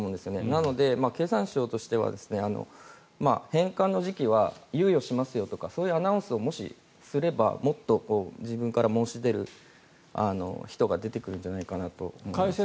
なので、経産省としては返還の時期は猶予しますよとかそういうアナウンスをもしすればもっと自分から申し出る人が出てくるんじゃないかなと思います。